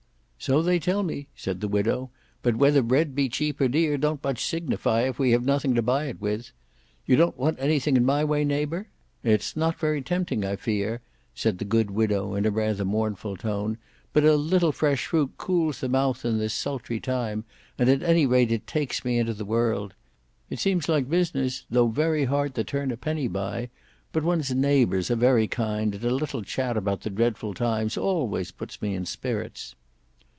"So they tell me," said the widow; "but whether bread be cheap or dear don't much signify, if we have nothing to buy it with. You don't want anything in my way, neighbour? It's not very tempting I fear," said the good widow, in a rather mournful tone: "but a little fresh fruit cools the mouth in this sultry time, and at any rate it takes me into the world. It seems like business, tho' very hard to turn a penny by; but one's neighbours are very kind, and a little chat about the dreadful times always puts me in spirits."